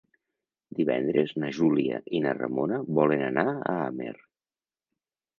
Divendres na Júlia i na Ramona volen anar a Amer.